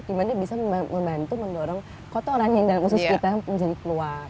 dimana bisa membantu mendorong kotoran yang ada di dalam usus kita menjadi keluar